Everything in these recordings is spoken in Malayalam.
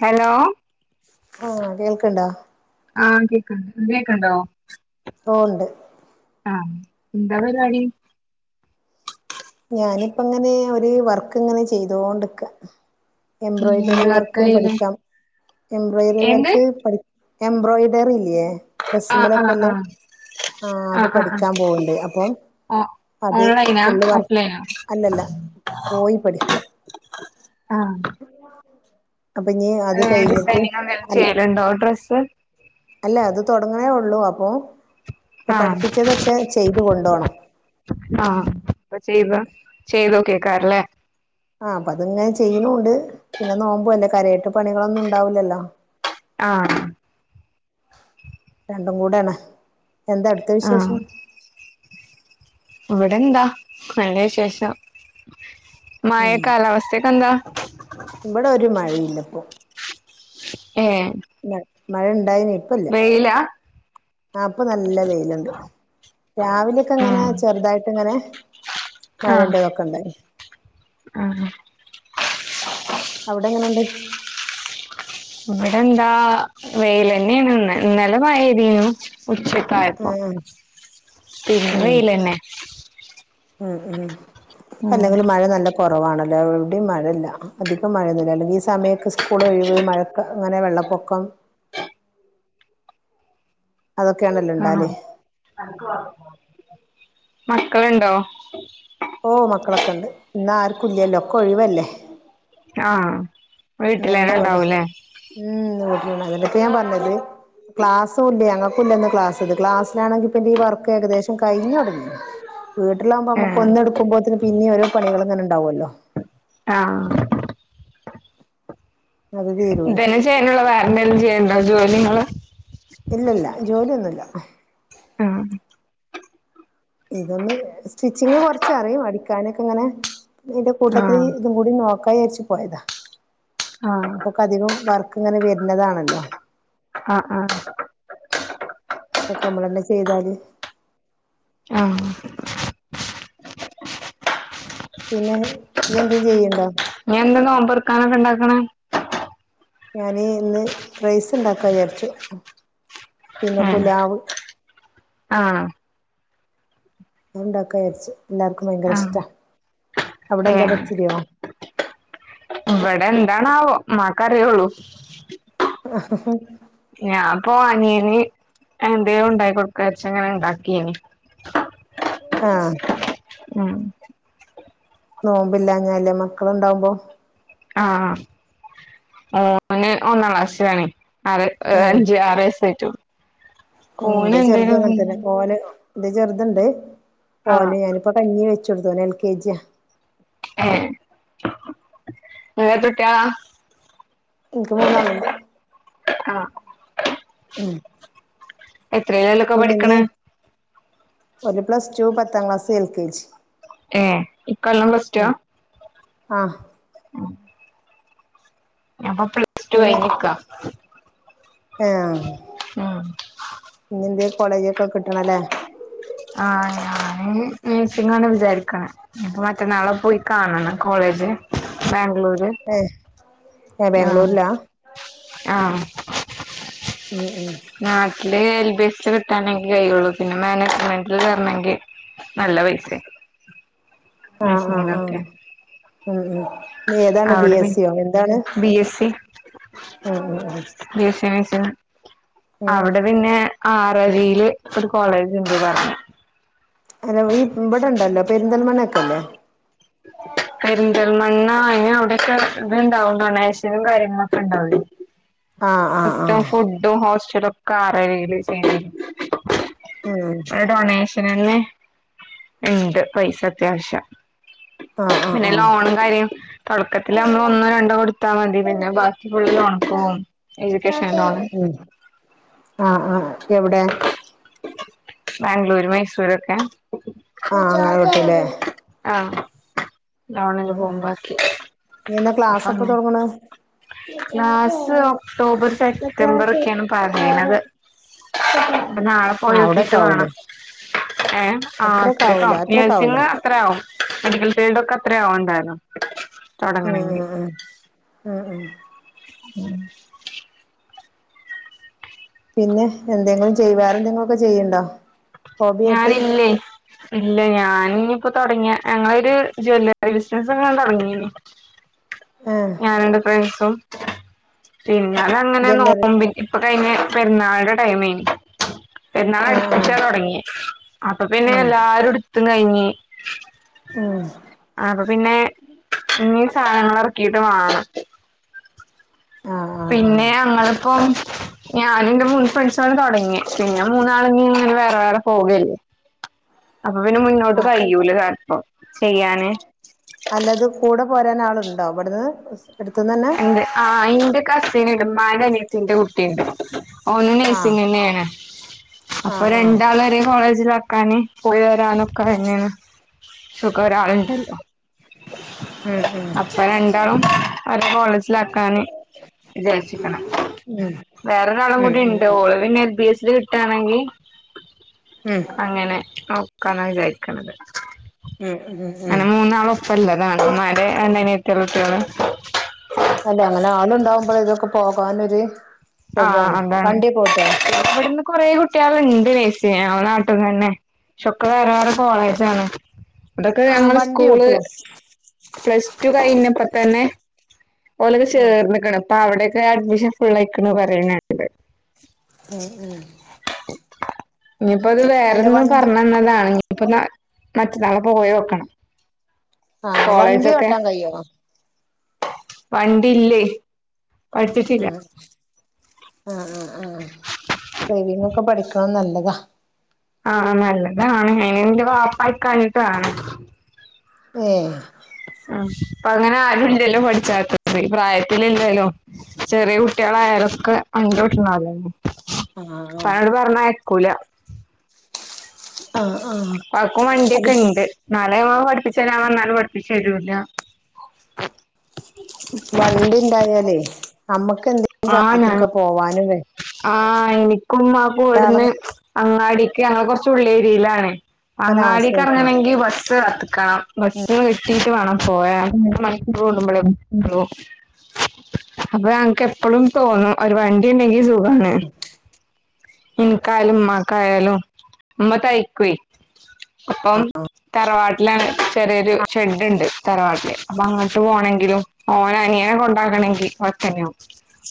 ഹലോ ആ കേൾക്കണ്ടാ. ആ കേക്കണ്ട്. കേക്കണ്ടോ? ആ ഉണ്ട്. ആ എന്താ പരിപാടി ഞാനിപ്പങ്ങനെ ഒരു വർക്ക് ഇങ്ങനെ ചെയ്തോണ്ടിക്ക. എന്ത് എംബ്രോയിഡറി വർക്ക് വർക്കായ്യ്ണ് പഠിക്കാം. എംബ്രോയിഡറി എന്ത് വർക്ക് പഠി എംബ്രോയ്ഡറി ഇല്ലേ. ആഹ് ആഹ് ഡ്രസുമേലൊക്കേലെ ആഹ് ആ അത് ആഹ് ആഹ് ആഹ് പഠിക്കാൻ പോവണ്ട്. അപ്പം ഓ അത് ഓൺലൈനാ ഫുള്ള് വർ ഓഫ്‌ലൈനോ അല്ലല്ല. പോയി പഠിക്ക ആ അപ്പൊ ഇനി അത് ഏ കഴിഞ്ഞിട്ട് ഡിസൈനിങ് എന്തെങ്കിലും അല്ല ചെയ്യലുണ്ടോ ഡ്രസ്സ്. അല്ല. അത് തുടങ്ങണേ ഉള്ളൂ. അപ്പൊ ഇപ്പൊ ആഹ് പഠിപ്പിച്ചതൊക്കെ ചെയ്ത് കൊണ്ടോണം. ചെയ്തോ കേക്കാറില്ലേ ആ അപ്പൊ അതിങ്ങനെ ചെയ്യണൂണ്ട് പിന്നെ നോമ്പു അല്ലേ കാര്യായിട്ട് പണികളൊന്നും ഉണ്ടാവൂല്ലല്ലോ. ആ രണ്ടും കൂടെ ആണ്. എന്താ അവിടത്തെ ആഹ് വിശേഷം? ഇവിടെന്താ നല്ല വിശേഷം. മഴ ഉം കാലാവസ്ഥക്കെ എന്താ? ഇവിടെ ഒരു മഴയില്ലപ്പോ ഏഹ്. മഴണ്ടായിനോ? വെയിലാ? ആ പ്പ നല്ല വെയില്ണ്ട്. രാവിലെക്കെ ഇങ്ങനെ ആഹ് ചെർതായിട്ട് ഇങ്ങനെ ആഹ് മഴന്റെതൊക്കെ ഇണ്ടായിനി. ആഹ്. അവിടെങ്ങനെണ്ട്? ഇവിടെന്താ വെയിലന്നെയാണ് ഇന്ന് ഇന്നലെ മഴേതീനു ഉച്ചക്കായപ്പോ ആഹ് പിന്നെ ഉം വെയിലന്നെ ഉം ഉം ഇപ്പൊ ഉം അല്ലെങ്കിലും മഴ നല്ല കൊറവാണല്ലോ എവടെയും മഴ ഇല്ല അധികം മഴയൊന്നുല്ല അല്ലെങ്കി ഈ സമയൊക്കെ സ്കൂൾ ഒഴിവ് മഴക്ക അങ്ങനെ വെള്ളപ്പൊക്കം അതൊക്കെയാണല്ലോ ആണോ ഉണ്ടാല് മക്കളുണ്ടോ? ഓഹ് മക്കളൊക്കെ ഇണ്ട്, ഇന്ന് ആർക്കും ഇല്ലല്ലോ, ഒക്കെ ഒഴിവല്ലേ. ആഹ് വീട്ടിലന്നെ അതന്നെ ഇവടെ ഉണ്ടാവൂലേ ഉം വീട്ടിലി [unintelligible] അതന്നെ ഇപ്പ ഞാൻ പറഞ്ഞത്. ക്ലാസും ഇല്ല ഞങ്ങക്കും ഇല്ല ഇന്ന് ക്ലാസ് [unintelligible] ക്ലാസിലാണെങ്കി പിന്നെ ഈ വർക്ക് ഏകദേശ കഴിഞ്ഞൊടങ്ങി വീട്ടിലോ വുമ്പോ ഏഹ് ഒന്നെടുക്കുമ്പോത്തിന് പിന്നെയോരോ പണികളിങ്ങനെ ഉണ്ടാവ്വോല്ലോ ആഹ് അത് തീരൂല ഇതന്നെ ചെയ്യാനുള്ളൂ വേറെന്തെല്ലും ചെയ്യണ്ടോ ജോലി ഇങ്ങള് ഇല്ല ആഹ് ഇതൊന്ന് സ്റ്റിച്ചിങ് കൊറച്ച് അറിയും അടിക്കാനൊക്കെ ഇങ്ങനെ ഇതിന്റെ കൂട്ടത്തിൽ ആഹ് ഇതും കൂടി നോക്കാ വിചാരിച്ചു പോയതാ. ആഹ് ഇപ്പൊക്കെ അധികോം വർക്കിങ്ങനെ വരണതാണല്ലോ. ആഹ് ആഹ് ഇതൊക്കെ നമ്മളന്നെ ചെയ്താല് ആഹ് പിന്നെ ഈ എന്തേ ചെയ്യണ്ടോ? ടുക്കാനൊക്കെ ഇണ്ടാക്കണ ഞാന് ഇന്ന് റൈസ് ഇണ്ടാക്കാ വിചാരിച്ചു, പിന്നെ ഏഹ് പുലാവ് ആഹ് ഉണ്ടാക്കരിച്ച എല്ലാർക്കും ഭയങ്കര ആഹ് ഇഷ്ടാ അവിടെ എന്താ ഏഹ് പച്ചരിയോ ഇവിടെ എന്താണാവോ ഉമ്മാക്കറിയുള്ള ആഹ് ഈന് എന്തോ ഉണ്ടായി കൊടുക്കച്ച അങ്ങനെ ഉണ്ടാക്കിയന് ആഹ് ഉം നോമ്പില്ല ഞല്ലേ മക്കളെ ഇണ്ടാവുമ്പോ ആഹ് ഓന് ഒന്നാ ക്ലാസ്സിലാണ് ആറ് അഞ്ച് ആറ വയസ ആയിട്ടു എന്റെചെറുതും അങ്ങനെ തന്നെ ഒന് എന്റെ ചെറുതുണ്ട് പോ ആഹ് ഞാനിപ്പോ കഞ്ഞി വെച്ച കൊടുത്തു എൽ കെ ജിയ എ തുട്ടാ [inaudible] എനിക്ക് മൂന്നാളുണ്ട് ആഹ് ഉം എത്രിലൊക്കെ പഠിക്കണ ഒരു പ്ലസ് ടു പത്താം ക്ലാസ് എൽ കെ ജി ഏ ഇക്കൊല്ലം പ്ലസ്റ്റു ആ ഉം അപ്പൊ പ്ലസ് ടു കഴഞ്ഞക്ക ആഹ ഇന്നെന്ത് കോളേജൊക്കെ കിട്ടണല്ലേ ആഹ ഞാന് നഴ്സിംഗാണ് വിചാരിക്കണ ഇപ്പ മറ്റന്നാളെ പോയി കാണണം കോളേജ കോളേജ്ബാംഗ്ലൂര് ഏഹ് ഏഹ് ആ ബാംഗ്ലൂരിലാ ആഹ [unintelligible] ആ ല് എൽ ബി സ് കിട്ടണെങ്കി കഴിയുള്ളൂ [unintelligible] പിന്നെ മാനേജ്മെന്റിൽ വരെണങ്കി നല്ല പൈസേ ആഹ് ആഹ് ആഹ് ആശനങ്ങളൊക്കെ [unintelligible] ഉം നീ യേതാണ് ബി എസ് സിയോ എന്താണ്? ഉം ഉം ഉം നിശ നിശ [unintelligible] ഉം ഉം അവിടെ പിന്നെ ആറരില് ഒരു കോളേജ്ണ്ട് പറഞ്ഞു. അല്ല വീ ഇവിടെണ്ടെല്ലോ പെരിന്തൽമണ്ണക്കെല്ലേ? [inaudible] പെരിന്തൽമണ്ണ അയിന് അവിടെക്കെ ത്ണ്ടാവും. ഡോണേഷനും കാര്യങ്ങളൊക്കേണ്ടവി ആഹ് ഉണ്ടാവില്ലേ ആഹ് ആഹ് [unintelligible] ഫുഡ്ടും ഹോസ്റ്റലും കാറയില് ഉം ഡൊണേഷനന്നെ? ണ്ട് പൈസ ത്യാവശ്യ. ആഹ് ആഹ് പിന്നെ ആഹ് ലോണും കാര്യം തൊടക്കത്തി ലമ്മളോന്നോ രണ്ടോ കൊടുത്താ മതി, പിന്നെ ബാക്കി ഫുള്ള് ലോണ്ക്ക്‌ പോകും. Education loan. ആ ആ എവ്ടെ? ബാംഗ്ലൂര് മൈസൂരൊക്കെ. ആ അങ്ങകട്ടുംല്ലേ ആ ലോണില് ആഹ് ആഹ് പോകുമ്പാക്കി ഇനി എന്നാ ക്ലാസ് അപ്പ എപ്പ തൊടങ്ങണ് ലാസ് ഒക്ടോബർ സെറ്റംബർ ഒക്കെണ് പറയ്ണത്. ആഹ് പ്പൊ നാളെ പോയോക്കീട്ട് വാണം. അവിടെക്കാവൂലേ ഏ എം ആ അത്രൊക്കെ ആവൂല അത്രൊക്കെ ആവൂല നഴ്സിങ് ത്രെയാവും മെഡിക്കൽ ഫീഡോക്കെ അത്രയാവു ഉം ഉം ഉം ഉം പിന്നെ എന്തെങ്കിലും ചെയ്യ് വേറെ ന്തേങ്കിലൊക്കെ ചെയ്യ്ണ്ടോ? ഞാനില്ലേയ് ഇല്ലേയ് ഞാനിഞ്ഞിപ്പോ തൊടങ്ങ്യ ഞങ്ങളൊരു ജ്വല്ലറി ബിസിനസങ്ങ് തൊടങ്ങീണു. ആഹ് ഞാനെന്റെ ഫ്രണ്ട്സും, പിന്നാലങ്ങനെ ജ്വല്ലറി നോമ്പി പ്പൊ കഴിഞ്ഞ പെരുന്നാൾടെ ടൈമേര്ന്നു. പെുന്നാൾ ആഹ് ആഹ് അട്പ്പിച്ചാ തൊടങ്ങി അപ്പൊ ഉം പിന്നെല്ലാരെടുത്തും കഴിഞ്ഞ്. ഉം. അപ്പൊ പിന്നെ ഇീ സാനങ്ങളെറക്കീട്ട് വാണം. ആഹ് ആഹ് പിന്നെ അങ്ങളിപ്പം, ഞാനുന്റെ മൂന്നു ഫ്രൻസേളും തൊടങ്ങി, പിന്നെ മൂന്നാള് ങ്ങനെ വേറെ വേറെ പോകെ [unintelligible] അപ്പൊ പിന്നെ മുന്നോട്ട് ആഹ് ആഹ് കയ്യൂലൽപം ചെയ്യാന്. പോരാനാളുണ്ടോ വ്ട്ന്ന്? ണ്ട് ആ ഇന്റെ കസിന്ണ്ട് മ്മാന്റെനിയത്തിന്റെ കുട്ടിണ്ട്. ഓനു ആഹ് നഴ്സിങ്ങെന്നേണ്. അപ്പൊ ആഹ് ആഹ് രണ്ടാളൊരേ കോളേജിലാക്കാന് പോയിവ കാണൊക്കയന്നേണ്. സുഖ ഒരാളുണ്ടല്ലോ ഉം ഉം അപ്പ രണ്ടാളും അവരെ കോളേജിലാക്കാന് വിചാരിച്ച്ക്ക്‌ണ്. വേറെൊരാളും ഉം ഉം കൂടിണ്ട് ഉം ഓള് പിന്നെ എൽ ബി എ സില് കിട്ടാണെങ്കി അങ്ങനെ നോക്കാന്ന വിചാരിക്ക്‌ണത്. ഉം ഉം ഉം. നല്ലതാണ് എന്നരെ എണ്ടനെ എത്തിള്ളത്തിയുള്ള [unintelligible] അല്ല അങ്ങനാള്ണ്ടാവുമ്പൊഴേ തൊക്കെ പോകാനൊര് ആ അതാണ്, ഇവിടുന്ന് കുറേ കുട്യേള്ണ്ട് നേഴ്സിംഗ് നമ്മളെ നാട്ട്ന്നഒക്കെ വേറെ വേറെ കോളേജാണ്. അതൊക്കെ ആഹ് ഞങ്ങള് വണ്ടി സ്കൂള് ഓട്ടോ പ്ലസ് ടു കഴിഞ്ഞപ്പ തന്നെ- ഓലോക്കെ ഉം ചേർന്ന്ക്ണ് പ്പ അവടോക്കെ അഡ്മിഷൻ ഫുള്ളാ യിക്ക്ണ് പറിണേക്ക്ണ്ട് ഉം ഉം ഇനിയിപ്പ ത് അല്ല വേറെൊന്നും വണ്ടി പറഞ്ഞ ന്നതാണെങ്ക- അപ്പ മറ്റന്നാള് പോയി നോക്കണം ആ വണ്ടി ഓട്ടാൻ കയ്യോ വണ്ടില്ലേ പഠിച്ചിട്ടില്ല ആ ആ ആ ഡ്രൈവിംഗ്ങ്ങോക്കെ പഠിക്കണം നല്ലതാ ആ നല്ലതാണ് ഹേ ഇന്റെ വാപ്പ ഐക്കാഞ്ഞിട്ടാണ് ഏ അ ഇപ്പ അങ്ങനെ ആരുംയില്ലല്ലോ പഠിച്ചാത്ത പ്രായത്തില്യില്ലല്ലോ ചെറിയ കുട്ടികളായാലൊക്കെ [unintelligible] ആഹ് ഇപ്പാനോട് പറ്ഞ്ഞാ അയ്ക്കുല ആഹ് ആഹ് ഇപ്പാക്കും അത് വണ്ടിയൊക്കെ ഇണ്ട് നാലെ- പഠിപ്പിച്ചു തരാൻ പറ്ഞ്ഞാലും പഠിപ്പിച് തരൂല വണ്ടിയുണ്ടായാലേ അമ്മക്ക് എന്തെങ്കിലും കാര്യത്തിനൊക്കെ പോവാനും വേ- ആ എനിക്കും ഉമ്മാക്കും ഇവുടിന്ന് അങ്ങാടിക്ക് ഞങ്ങളെകുറച്ചു ഉള്ളേരിലാണ് അങ്ങനെ ആശ്രയിക്കണ്ട അങ്ങാടിക്കെറ്ങ്ങണങ്കി ബസ്സ് കാത്ത്‌ക്കണം ബസ്സിന് കെട്ടി- വാണം പോയാ [unintelligible] അപ്പ ഞങ്ങ്ക്ക് എപ്പളും തോന്നും ഒരു വണ്ടിണ്ടെങ്കി സുഖാണ് ഇൻക്കായാലും ഉമ്മാകായാലും ഉമ്മ തയ്ക്കുവെ അപ്പം തറവാട്ടിലാണ് ചെറിയൊരു ഷെഡ്ണ്ട് തറവാട്ടില് അപ്പ അങ്ങ- പോണെങ്കിലും ഓന് അനിയനെ കൊണ്ടാക്കണെങ്കിൽ [unintelligible]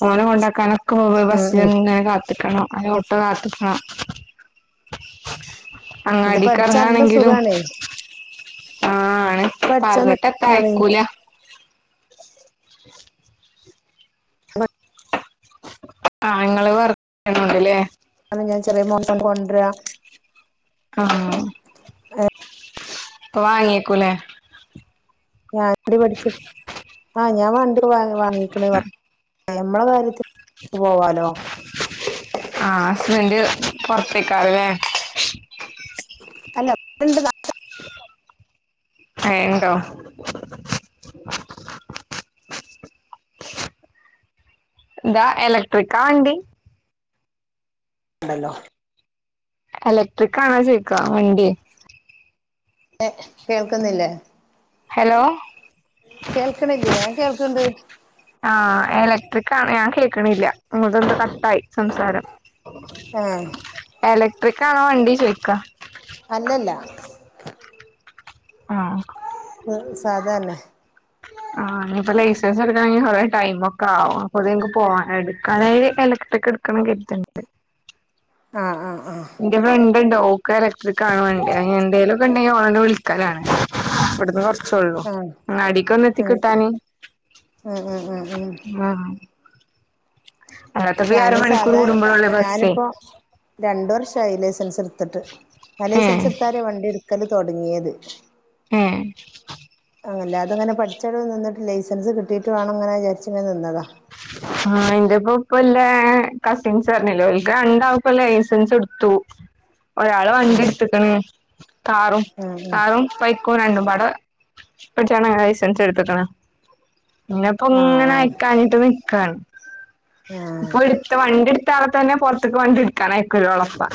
ഓനെ കൊണ്ടാക്കാന മുന്പേ ഉം ഉം ബസ്നെന്നെ കാത്ത്‌ക്കണം അല്ലേ ഓട്ടോ കാത്ത്‌ക്കണം ഇത് അങ്ങാടി പഠിച്ചാ നല്ല കറങ്ങുവാനെങ്കിലും സുഖാണേ ആ- പഠിച്ചാ നല്ല പറഞ്ഞിട്ടത്താ സുഖാണ് അയ്ക്കൂല ആ ഇങ്ങള് [unintelligible] [unintelligible] ആ പ്പ വാങ്ങയെക്കൂലെ ഞാൻ വണ്ടി പഠിച്ചി ആ ഞാൻ വണ്ടി വാ വാങ്ങിക്ണ നമ്മളെ കാര്യത്തി- ആ ഹസ്ബന്റ് പൊറത്തേക്ക് ആ അല്ലേ അല്ല പ്പ് [unintelligible] ഹേ ഉണ്ടോ ഇതാ എലക്ട്രിക്കാ വണ്ടി ഉണ്ടല്ലോ എലക്ട്രിക്കാണോ ചോയ്ക്ക വണ്ടി ഹേ കേൾക്കുന്നില്ലേ ഹലോ കേൾക്കണില്ലേ ഞാൻ കേൾക്കണ്ട് ആ എലക്ട്രിക്കാണ് ഞാൻ കേ- ക്ണില്ല നമ്മൾതെന്താ കട്ടായി സംസാരം ആഹ് എല ലക്ട്രിക്കാണോ വണ്ടി ചോയ്ക്ക അല്ലല്ല ആ സാധന്നെ ആ നിപ്പോ ലൈസൻസ് എടുക്കണെങ്കി കൊറേ ടൈമോക്കെ ആകും അപ്പൊത്തിൻക്ക് പോവാനായിട് കാലേല് ഇലക്ട്രിക് ട്ക്കണം കര്ത്ണ്ട് ആഹ് ആഹ് ആഹ് ഇന്റെ ഫ്രണ്ട്ണ്ട് ഓക്ക് ഇലക്ട്രികാണോ [unintelligible] ക്കലാണ് ഇബട്ന്ന് കൊറച്ചോള്ളൂ ആഹ് അങ്ങാടിക്കൊന്ന് എത്തി കിട്ടാന് ഹ ഹ ഹ ഹ അല്ലാത്തപ്പോ ഈ ഞാന് അരമണിക്കൂർ സാധാ കൂടുമ്പോഴല്ലേ ബസ്സേ ഞാനിപ്പോ രണ്ട വർഷം ഷായി ലൈസൻസ് എടുത്തിട്ട് ആ ഏഹ് ലൈസൻസ് എടുത്താലേ വണ്ടി എടുക്കല് തുടങ്ങിയത് ഏ അല്ലാതെഅത്ങ്ങനെ പഠിച്ചങ്ങ് നിന്നട്ട് ലൈസൻസ് കിട്ടിട്ടു വേണങ്ങനെ വിചാരിച്ച ഇങ്ങനെ നിന്നതാ ആ എന്റെപ്പ ഒപ്പല്ല കസിൻസ് പറഞ്ഞല്ലോ അവക്ക് രണ്ടാൾ കൊള്ള ലൈസൻസ് എടുത്തു ഒരാള വണ്ടി ആഹ് എടുത്തക്കണ കാറും ആഹ് കാറും ബൈക്കും രണ്ടും പാട ട്ടാണ് ലൈസൻസ് എടുത്തക്കണ ഇന്നപ്പ ആഹ് ഇങ്ങനെ ആഹ് അയക്ക ആഹ് ഇപ്പൊ ആഹ് എടുത്ത വണ്ടി എടുത്താള തന്നെ പുറത്തേക്ക് വണ്ടി എടുക്കാനായേക്ക ഒറപ്പ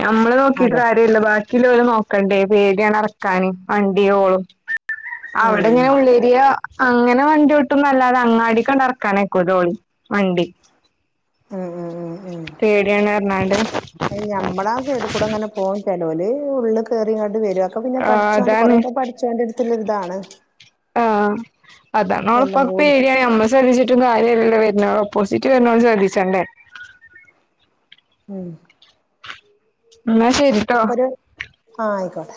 ഞമ്മള് നോക്കിട്ട് അതാ കാര്യല്ല ബാക്ക കില നോക്കണ്ടേ പേടിയാണ് ഇറക്കാൻ വണ്ടിയോളും അവിടെ ഉം ഇങ്ങനെ ഉള്ളരിയ അങ്ങനെ വണ്ടിട്ടന്നുംഅല്ലാതെ അങ്ങാടി ക്കണ്ടറക്കാനെക്കൂ ഓളി വണ്ടി ഉം ഉ ഉ ഉ പേടിയാണ് പറഞ്ഞാണ്ട് അഞമ്പളാസൈഡിക്കൂട അങ്ങനെ പോവും ചെലോര് ഉള്ളള് കയറങ്ങോണ്ട് വരുംക്കെ പിന്നെ ആഹ് പഠിച്ചന്റെ അതാണ് കൊറെക്കെ പഠിച്ചന്റെ അടുത്തി ഇതാണ് ആ് അതാണ് ഉപ്പ കൂടി പേടിയ നമ്മ ശ്രദ്ധിച്ചിട്ടും കാര്യംല്ല വരുന്ന പോസിറ്റീവ് എനോർജി വർധിച്ചണ്ടേ ഉം എന്നാ ശരിട്ടോ ഒ ആഹ ആയിക്കോട്ടെ